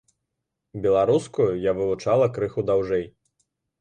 Беларускую я вывучала крыху даўжэй.